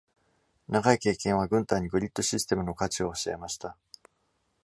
長い経験は、軍隊にグリッドシステムの価値を教えました。